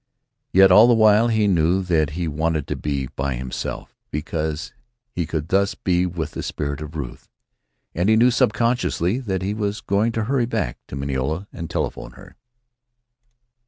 Yet all the while he knew that he wanted to be by himself, because he could thus be with the spirit of Ruth. And he knew, subconsciously, that he was going to hurry back to Mineola and telephone to her.